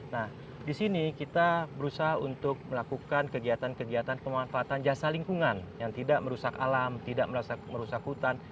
nah di sini kita berusaha untuk melakukan kegiatan kegiatan pemanfaatan jasa lingkungan yang tidak merusak alam tidak merusak hutan